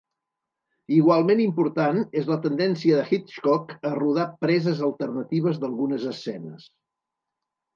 Igualment important és la tendència de Hitchcock a rodar preses alternatives d'algunes escenes.